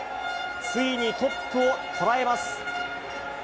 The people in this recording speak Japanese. ついにトップを捉えます。